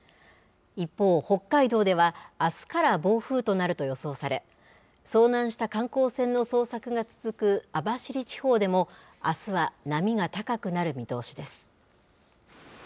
一方、北海道ではあすから暴風雨となると予想され、遭難した観光船の捜索が続く網走地方でも、あすは波が高くなる見通しです。